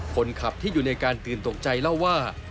คนขับที่อยู่ในการตื่นตกใจเล่าว่า